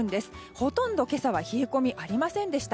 ほとんど今朝は冷え込みありませんでした。